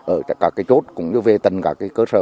ở các chốt cũng như về tầng cơ sở